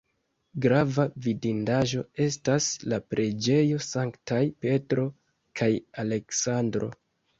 Grava vidindaĵo estas la preĝejo Sanktaj Petro kaj Aleksandro.